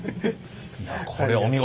いやこれはお見事。